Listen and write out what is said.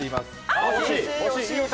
惜しい！